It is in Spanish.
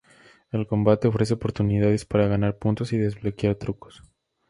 El combate ofrece oportunidades para ganar puntos y desbloquear trucos.